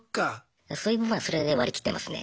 そういう部分はそれで割り切ってますね。